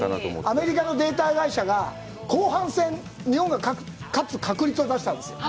アメリカのデータ会社が後半戦、日本が勝つ確率を出したんですよ。